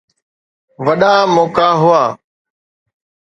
وڏا موقعا هئا.